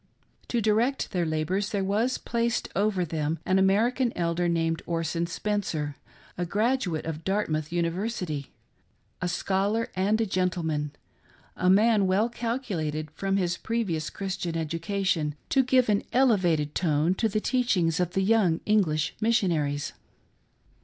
To direct their labors there was placed over them an American elder named Orson Spencer, a graduate of Dartmouth University, a scholar and a gentle man— a man well calculated from his previous Christian education to give an elevated tone to the teachings of the young English missionaries.